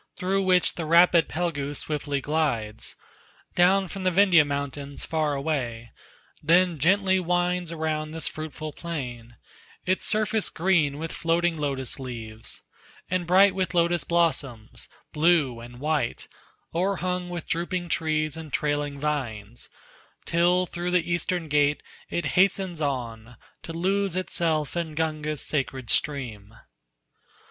Through which the rapid Phalgu swiftly glides, Down from the Vindhya mountains far away, Then gently winds around this fruitful plain, Its surface green with floating lotus leaves. And bright with lotus blossoms, blue and white, O'erhung with drooping trees and trailing vines, Till through the eastern gate it hastens on, To lose itself in Gunga's sacred stream.